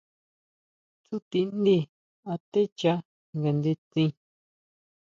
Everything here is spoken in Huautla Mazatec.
Tsutindí atecha ngandetsin.